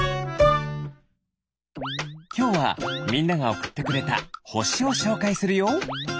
きょうはみんながおくってくれたほしをしょうかいするよ。